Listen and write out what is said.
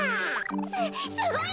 すすごいわ！